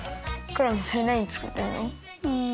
クラムそれなにつくってんの？